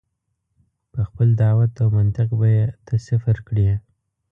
په خپل دعوت او منطق به یې ته صفر کړې.